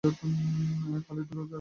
খালিদ দ্রুত নিলাম স্থলে চলে যান।